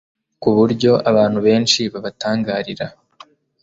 ku buryo abantu benshi babatangarira